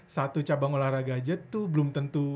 satu cabang olahraga saja itu belum tentu